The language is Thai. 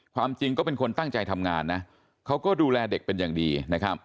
ความจริงก็เป็นคนตั้งใจทำงานนะเขาก็ดูแลเด็กเป็นอย่างดีนะครับ